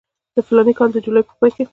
د فلاني کال د جولای په پای کې.